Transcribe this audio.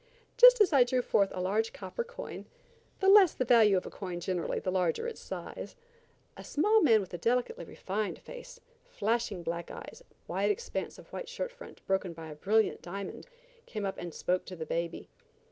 Just as I drew forth a large copper coin–the less the value of a coin generally, the larger its size–a small man with a delicately refined face, flashing black eyes, wide expanse of white shirt front, broken by a brilliant diamond, came up and spoke to the baby.